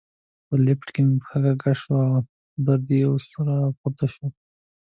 په لفټ کې مې پښه کږه شوې وه، درد یې اوس را پورته شو.